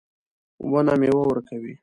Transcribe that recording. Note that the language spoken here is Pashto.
ونه میوه ورکوي